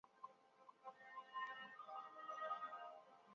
这可以用高斯算法验证。